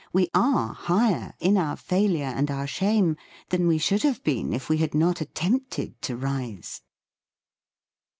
We are higher, in our fail ure and our shame, than we should have been if we had not attempted to rise.